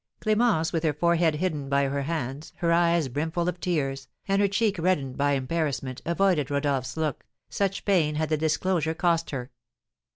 Clémence, with her forehead hidden by her hands, her eyes brimful of tears, and her cheek reddened by embarrassment, avoided Rodolph's look, such pain had the disclosure cost her.